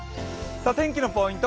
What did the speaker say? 天気のポイント